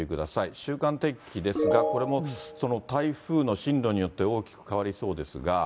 週間天気ですが、これもその台風の進路によって大きく変わりそう